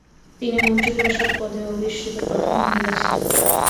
তিনি মন্ত্রিপরিষদ পদে অধিষ্ঠিত প্রথম মহিলা ছিলেন।